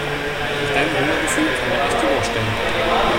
Nach deinem Hungergefühl kann man echt die Uhr stellen.